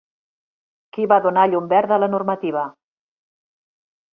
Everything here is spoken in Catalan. Qui va donar llum verda a la normativa?